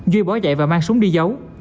duy bỏ dậy và mang súng đi giấu